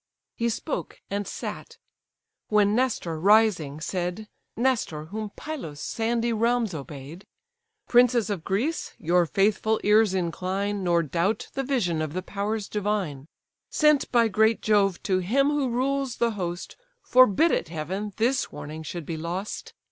He spoke, and sat: when Nestor, rising said, (Nestor, whom Pylos' sandy realms obey'd,) "Princes of Greece, your faithful ears incline, Nor doubt the vision of the powers divine; Sent by great Jove to him who rules the host, Forbid it, heaven! this warning should be lost!